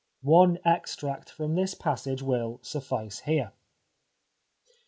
One extract from this passage will suffice here.